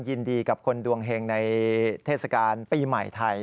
ยินดีกับคนดวงเห็งในเทศกาลปีใหม่ไทย